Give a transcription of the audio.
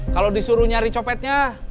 kalau disuruh nyari copetnya